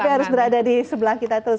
tapi harus berada di sebelah kita terus